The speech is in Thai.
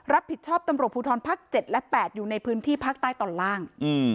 รับผิดชอบตำรวจภูทรภาค๗และ๘อยู่ในพื้นที่ภาคใต้ตอนล่าง